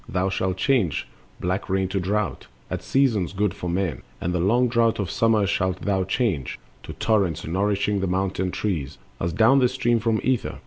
Thou shalt change Black rain to drought, at seasons good for men, And the long drought of summer shalt thou change To torrents, nourishing the mountain trees, As down they stream from ether.